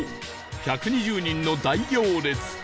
１２０人の大行列